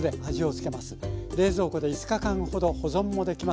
冷蔵庫で５日間ほど保存もできます。